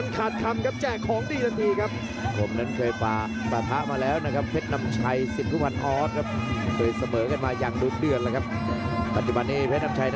ตอนนี้เพชรน้ำชัยนั้นก้าวไปไกล